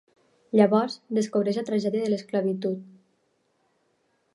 Llavors descobreix la tragèdia de l'esclavitud.